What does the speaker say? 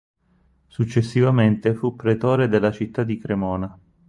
Successivamente fu pretore della città di Cremona.